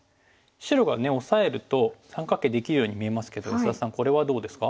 白がねオサえると三角形できるように見えますけど安田さんこれはどうですか？